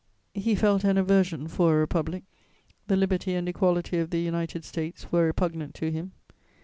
He felt an aversion for a republic; the liberty and equality of the United States were repugnant to him.